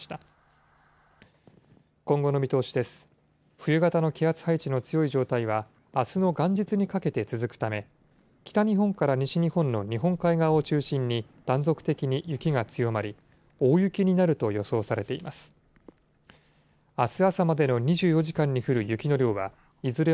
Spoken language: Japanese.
冬型の気圧配置の強い状態はあすの元日にかけて続くため、北日本から西日本の日本海側を中心に、断続的に雪が強まり、大雪になると予想されています。